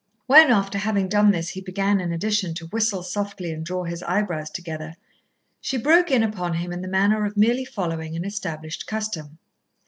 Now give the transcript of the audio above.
When, after having done this, he began in addition to whistle softly and draw his eyebrows together, she broke in upon him in the manner of merely following an established custom.